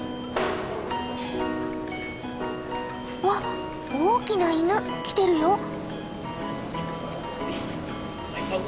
わっ大きな犬来てるよ。